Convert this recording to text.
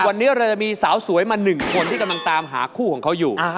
วันนี้เราจะมีสาวสวยมา๑คนที่กำลังตามหาคู่ของเขาอยู่